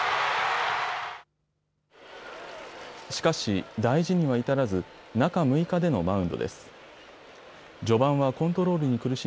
しかし、大事には至らず中６日でのマウンドです。